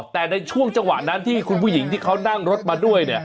แต่ในช่วงจังหวะนั้นที่คุณผู้หญิงที่เขานั่งรถมาด้วย